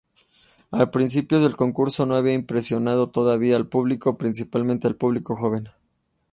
Al principio del concurso no había impresionado todavía al público, principalmente al público joven.